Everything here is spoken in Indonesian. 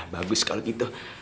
bagus kalau gitu